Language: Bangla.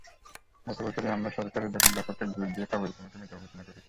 গত বছরই আমারা সরকারি দলীল লেখককে ঘুষ দিয়ে কাগজে তোমাকে মৃত ঘোষণা করেছি।